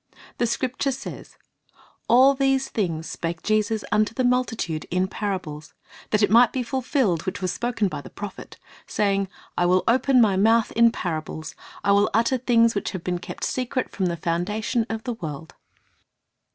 The Scripture says, "All these things spake Jesus unto the multitude in parables; ... that it might be fulfilled which was spoken by the prophet, saying, I will open My mouth in parables; I will utter things which have been kept secret from the foundation of the world."